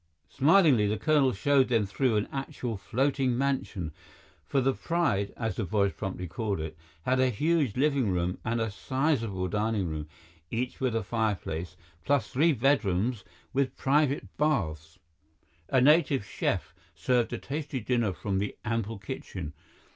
Smilingly, the colonel showed them through an actual floating mansion, for the Pride, as the boys promptly called it, had a huge living room and a sizable dining room, each with a fireplace, plus three bedrooms with private baths. A native chef served a tasty dinner from the ample kitchen.